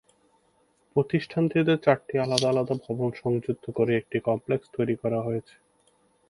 প্রতিষ্ঠানটিতে চারটি আলাদা আলাদা ভবন সংযুক্ত করে একটি কমপ্লেক্স তৈরি করা হয়েছে।